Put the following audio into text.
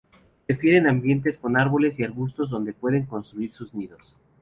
Prefieren ambientes con árboles y arbustos, donde pueden construir sus nidos.